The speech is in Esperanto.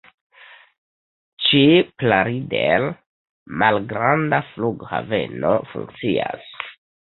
Ĉe Plaridel malgranda flughaveno funkcias.